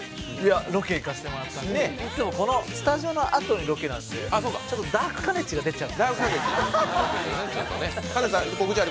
ロケ行かせてもらったんでいつもこのスタジオのあとにロケなんでちょっとダークかねちが出ちゃう。